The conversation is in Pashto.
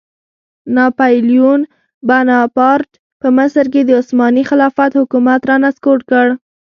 ناپیلیون بناپارټ په مصر کې د عثماني خلافت حکومت رانسکور کړ.